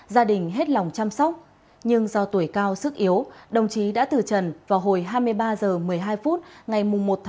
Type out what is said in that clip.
gia đình hết lòng chăm sóc nhưng do tuổi cao sức yếu đồng chí đã tử trần vào hồi hai mươi ba h một mươi hai phút ngày một một mươi hai nghìn một mươi tám